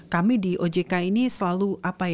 kami di ojk ini selalu